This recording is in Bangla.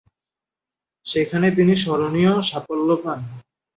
সেখানে তিনি স্মরণীয় সাফল্য পান।